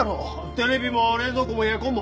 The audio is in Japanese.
テレビも冷蔵庫もエアコンも！